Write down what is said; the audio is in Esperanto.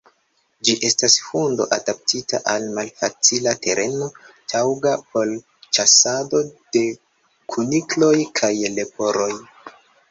Ĝi estas hundo adaptita al malfacila tereno, taŭga por ĉasado de kunikloj kaj leporoj.